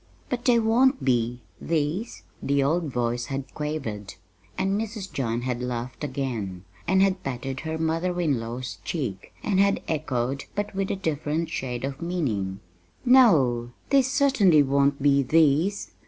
"But they won't be these," the old voice had quavered. And Mrs. John had laughed again, and had patted her mother in law's cheek, and had echoed but with a different shade of meaning "No, they certainly won't be these!"